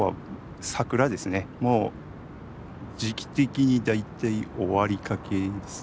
もう時期的に大体終わりかけですね。